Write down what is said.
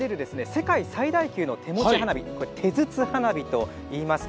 世界最大級の手持ち花火手筒花火といいます。